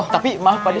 tapi maaf pak de